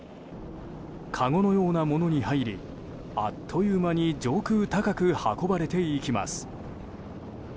かごのようなものに入りあっという間に上空高く運ばれて行きます。